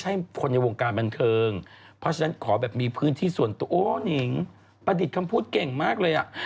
ชอบการวิจารย์ระหว่างบรรทัพย์